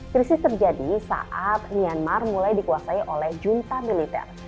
krisis terjadi saat myanmar mulai dikuasai oleh junta militer